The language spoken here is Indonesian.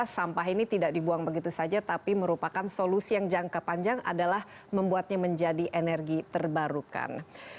sampah ini tidak dibuang begitu saja tapi merupakan solusi yang jangka panjang adalah membuatnya menjadi energi terbarukan